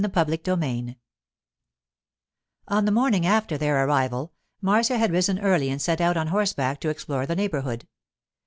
CHAPTER VI ON the morning after their arrival, Marcia had risen early and set out on horseback to explore the neighbourhood.